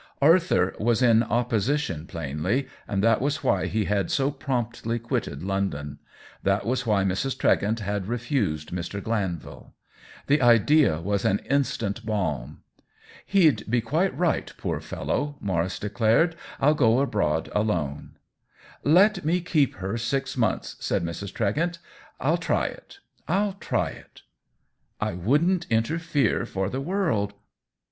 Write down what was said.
Arthur was in opposition, plainly, and that was why he had so promptly quitted London ; that was why Mrs. Tregent had re fused Mr. Glanvil. The idea was an instant balm. " He'd be quite right, poor fellow !" Maurice declared. " Til go abroad alone." " Let me keep her six months," said Mrs. Tregent. " I'll try it— I'll try it !"" I wouldn't interfere for the world."